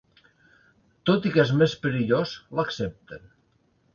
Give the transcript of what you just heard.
Tot i que és més perillós, l'accepten.